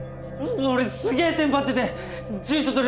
俺すげえテンパってて住所と